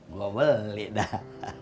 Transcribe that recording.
gue beli dah